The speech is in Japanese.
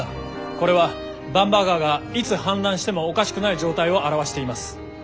これは番場川がいつ氾濫してもおかしくない状態を表しています。